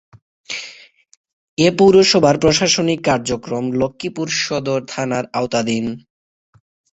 এ পৌরসভার প্রশাসনিক কার্যক্রম লক্ষ্মীপুর সদর থানার আওতাধীন।